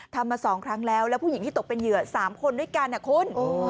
มา๒ครั้งแล้วแล้วผู้หญิงที่ตกเป็นเหยื่อ๓คนด้วยกันนะคุณ